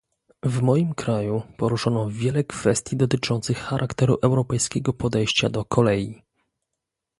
W moim kraju poruszono wiele kwestii dotyczących charakteru europejskiego podejścia do kolei